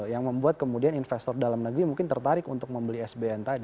yang membuat kemudian investor dalam negeri mungkin tertarik untuk membeli sbn tadi